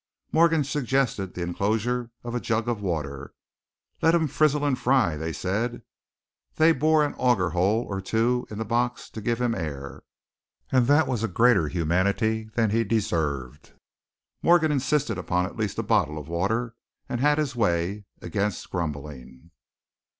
Morgan suggested the enclosure of a jug of water. Let him frizzle and fry, they said. They'd bore an auger hole or two in the box to give him air, and that was greater humanity than he deserved. Morgan insisted on at least a bottle of water, and had his way, against grumbling.